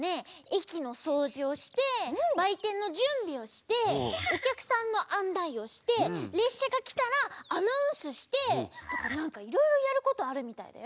駅のそうじをしてばいてんのじゅんびをしておきゃくさんのあんないをしてれっしゃがきたらアナウンスしてとかなんかいろいろやることあるみたいだよ。